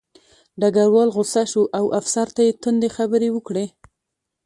ډګروال غوسه شو او افسر ته یې تندې خبرې وکړې